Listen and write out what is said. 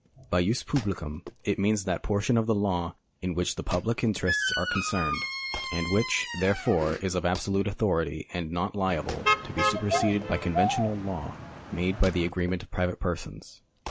D. 2. U. 38. Cf. D. 50. 17. 45. 1. By jus publicum is meant that portion of the law in which the jjublic interests are concerned, and which, therefore, is of absolute authority and not liable to be superseded by conventional law made by the agreement of private persons.